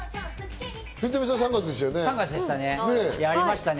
藤富さん、３月でしたね。